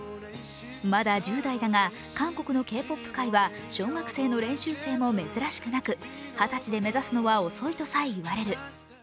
まだ１０代だが韓国のＫ−ＰＯＰ界は小学生の練習生は珍しくなく、二十歳で目指すのは遅いとさえ言われる。